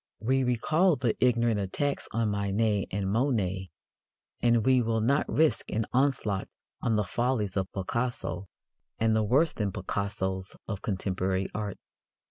We recall the ignorant attacks on Manet and Monet, and we will not risk an onslaught on the follies of Picasso and the worse than Picassos of contemporary art.